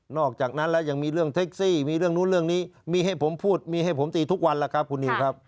อกจากนั้นแล้วยังมีเรื่องเท็กซี่มีเรื่องนู้นเรื่องนี้มีให้ผมพูดมีให้ผมตีทุกวันแล้วครับคุณนิวครับ